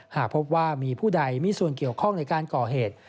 หากพบว่ามีผู้ใดมีส่วนเกี่ยวข้องในการก่อเหตุ